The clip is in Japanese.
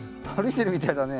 あしみたいだね